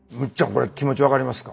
これ気持ち分かりますか？